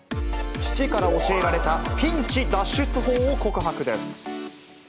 父から教えられたピンチ脱出法を告白です。